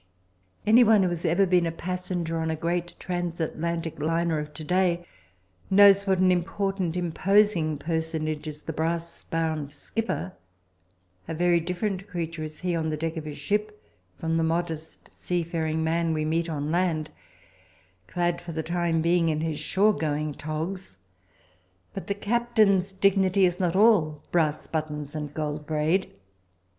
Anyone who has ever been a passenger on a great transatlantic liner of to day knows what an important, imposing personage is the brass bound skipper. A very different creature is he on the deck of his ship from the modest seafaring man we meet on land, clad for the time being in his shore going togs. But the captain's dignity is not all brass buttons and gold braid.